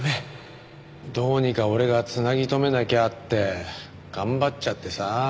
どうにか俺が繋ぎ留めなきゃって頑張っちゃってさ。